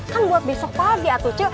kan buat besok pagi atu cie